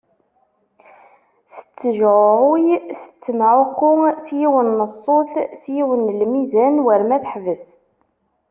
Tettejɛuɛuy tettemɛuqu s yiwen n ssut s yiwen n lmizan, war ma teḥbes.